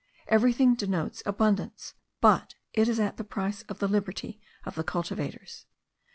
Everything denotes abundance; but it is at the price of the liberty of the cultivators.